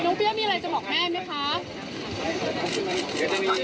เปรี้ยวมีอะไรจะบอกแม่ไหมคะ